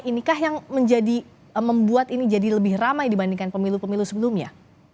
inikah yang membuat ini jadi lebih ramai dibandingkan pemilu pemilu sebelumnya